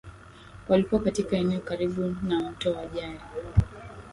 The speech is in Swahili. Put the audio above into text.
walikuwa katika eneo karibu na mto wa Jari